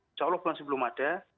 insya allah belum ada